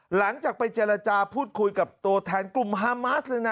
หลังจากไปเจรจาพูดคุยกับตัวแทนกลุ่มฮามาสเลยนะ